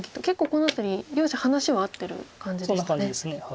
結構この辺り両者話は合ってる感じですかね。